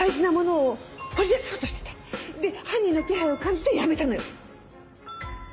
で犯人の気配を感じてやめたのよ。